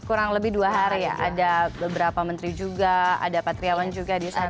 kurang lebih dua hari ya ada beberapa menteri juga ada patriawan juga disana